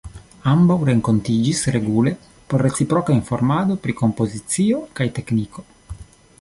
Ambaŭ renkontiĝis regule por reciproka informado pri kompozicio kaj tekniko.